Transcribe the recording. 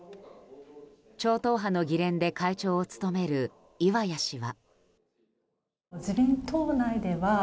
超党派の議連で会長を務める岩屋氏は。